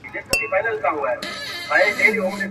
مړۍ غوړي سوې د ښار د فقیرانو.